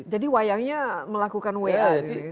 jadi wayangnya melakukan wa